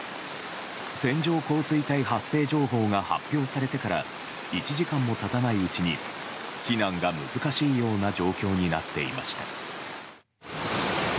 線状降水帯発生情報が発表されてから１時間も経たないうちに避難が難しいような状況になっていました。